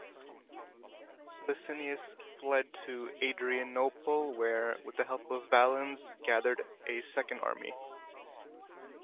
Licinius fled to Adrianople where, with the help of Valens, gathered a second army.